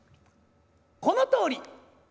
このとおり！」。